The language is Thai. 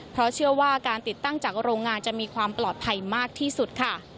เพราะเชื่อว่าการติดตั้งจากโรงงานจะมีความปลอดภัยมากที่สุดค่ะ